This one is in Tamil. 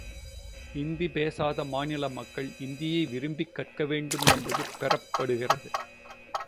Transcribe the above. இந்தி பேசாத மாநில மக்கள் இந்தியை விரும்பிக் கற்க வேண்டும் என்பது பெறப்படுகிறது.